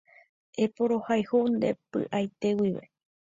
Eporohayhu nde py'aite guive